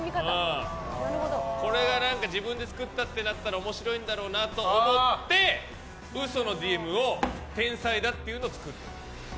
これが自分で作ったってなったら面白いんだろうなと思って嘘のＤＭを天才だっていうのを作った。